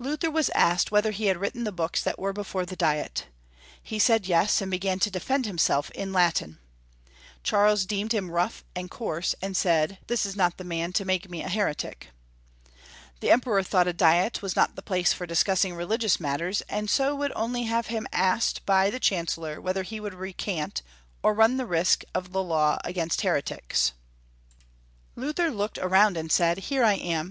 Luther was asked whether he had written the books that were before the Diet. He said yes, and began to defend himself in Latin. Charles deemed him rough and coarse, and said, " This is not the man 274 Young Folkfi" History of Q ermany. to make me a heretic.'* The Emperor thought a Diet was not the place for discussing religious mat ters, and so would only have him asked by the Chancellor whether he would recant, or run the risks of the law against heretics. Luther looked around, and said, " Here I am.